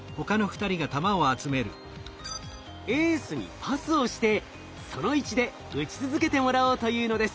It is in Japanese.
エースにパスをしてその位置で打ち続けてもらおうというのです。